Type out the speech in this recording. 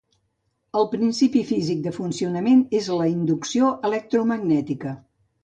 El principi físic de funcionament és la inducció electromagnètica.